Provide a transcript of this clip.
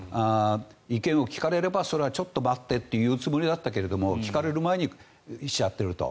意見を聞かれればそれはちょっと待ってと言うつもりだったけど聞かれる前にしちゃっていると。